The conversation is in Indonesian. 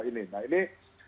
ini nah ini